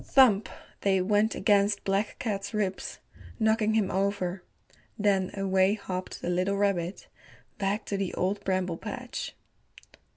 Thump! they went against Black Cat's ribs, knocking him over. Then away hopped the little rabbit back to the Old Bramble Patch.